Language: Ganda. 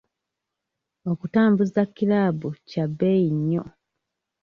Okutambuza kiraabu kya bbeeyi nnyo.